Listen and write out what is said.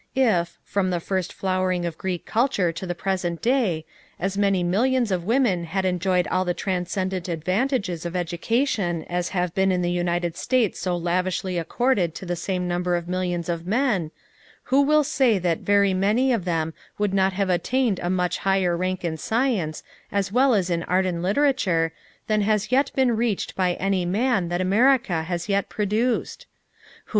If, from the first flowering of Greek culture to the present day, as many millions of women had enjoyed all the transcendent advantages of education as have been in the United States so lavishly accorded to the same number of millions of men, who will say that very many of them would not have attained a much higher rank in science, as well as in art and literature, than has yet been reached by any man that America has yet produced?